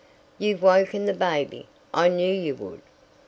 "You've woken the baby. I knew you would.